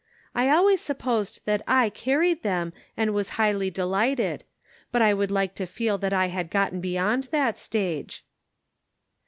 I always sup posed that I carried them, and was highly delighted. But I would like to feel that I had gotten beyond that stage."